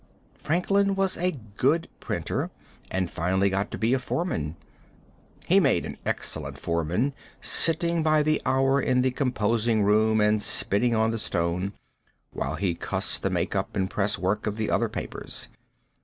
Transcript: Franklin was a good printer, and finally got to be a foreman. He made an excellent foreman, sitting by the hour in the composing room and spitting on the stone, while he cussed the make up and press work of the other papers.